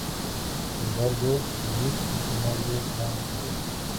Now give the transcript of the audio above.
Sin embargo, Dennis y su madre, la Sra.